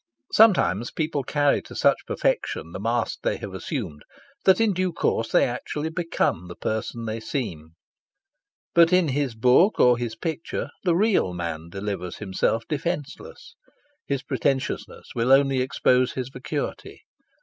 Sometimes people carry to such perfection the mask they have assumed that in due course they actually become the person they seem. But in his book or his picture the real man delivers himself defenceless. His pretentiousness will only expose his vacuity.